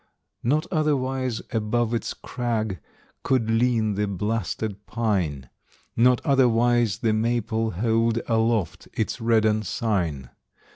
Not otherwise above its crag Could lean the blasted pine; Not otherwise the maple hold Aloft its red ensign.